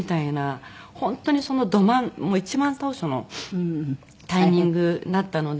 本当にその一番当初のタイミングだったので。